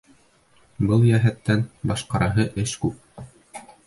Был йәһәттән башҡараһы эш күп.